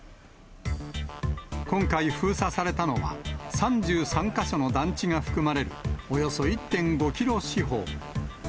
今回、封鎖されたのは、３３か所の団地が含まれる、およそ１．５キロ四方。